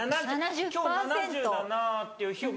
今日７０だなっていう日を。